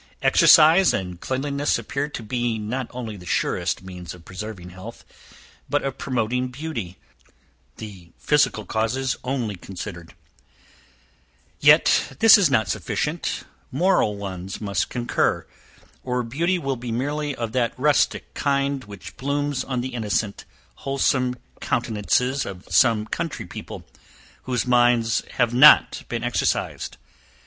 Exercise and cleanliness appear to be not only the surest means of preserving health, but of promoting beauty, the physical causes only considered; yet, this is not sufficient, moral ones must concur, or beauty will be merely of that rustic kind which blooms on the innocent, wholesome countenances of some country people, whose minds have not been exercised.